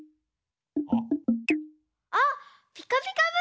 あっ「ピカピカブ！」